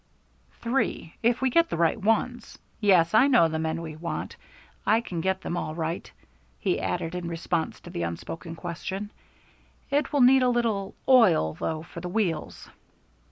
"Three, if we get the right ones. Yes, I know the men we want. I can get them all right," he added, in response to the unspoken question. "It will need a little oil, though, for the wheels."